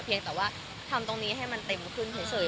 แต่ว่าทำตรงนี้ให้มันเต็มขึ้นเฉย